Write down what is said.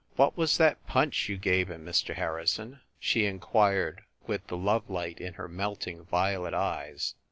"What was that punch you gave him, Mr. Har rison?" she inquired with the lovelight in her melt ing violet eyes.